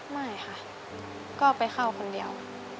ไม่ค่ะก็ไปเข้าคนเดียว